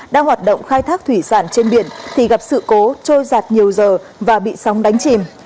đang hoạt động khai thác thủy sản trên biển thì gặp sự cố trôi giạt nhiều giờ và bị sóng đánh chìm